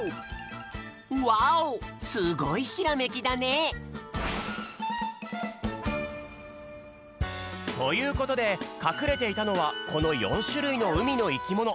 それじゃあということでかくれていたのはこの４しゅるいのうみのいきもの。